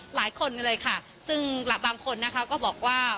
หลายคนเลยค่ะซึ่งบางคนนะคะก็บอกว่า